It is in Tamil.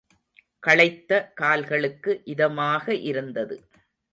களைத்த கால்களுக்கு இதமாக இருந்தது.